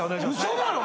嘘だろ？